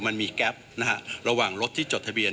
มันมีแก๊ปนะฮะระหว่างรถที่จดทะเบียน